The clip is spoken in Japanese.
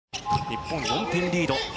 日本４点リード。